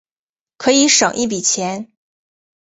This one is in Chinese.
可以省一笔钱